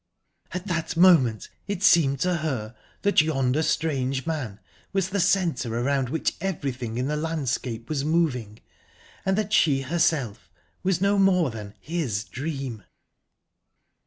At that moment it seemed to her that yonder strange man was the centre around which everything in the landscape was moving, and that she herself was no more than his dream!...